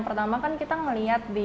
pertama kan kita melihat di